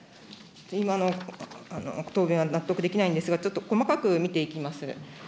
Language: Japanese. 今の答弁は納得できないんですが、ちょっと細かく見ていきます。